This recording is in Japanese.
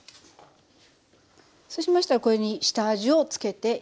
そうしましたらこれに下味をつけていきましょう。